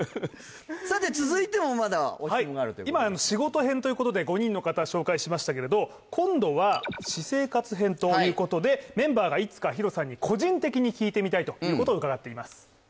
さて続いてもまだご質問があるということで今仕事編ということで５人の方紹介しましたけれど今度は私生活編ということでメンバーがいつかＨＩＲＯさんに個人的に聞いてみたいということを伺っています